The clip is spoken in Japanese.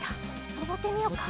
のぼってみようか。